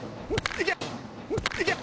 いけ！